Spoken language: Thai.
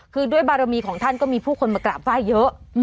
คือด้วยบารมีของท่านก็มีผู้คนมากราบไหว้เยอะ